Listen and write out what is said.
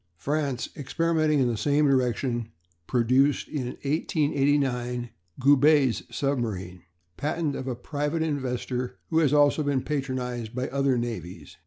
France, experimenting in the same direction, produced in 1889 Goubet's submarine, patent of a private inventor, who has also been patronised by other navies.